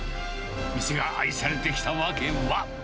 店が愛されてきた訳は。